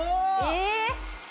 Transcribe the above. えっ！